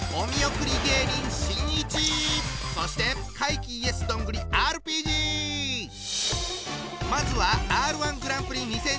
そしてまずはＲ−１グランプリ２０２２チャンピオン！